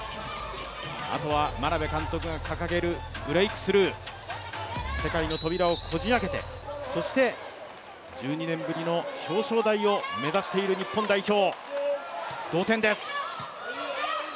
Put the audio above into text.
あとは眞鍋監督が掲げる「Ｂｒｅａｋｔｈｒｏｕｇｈ」世界の扉をこじ開けて、そして１２年ぶりの表彰台を目指している日本代表。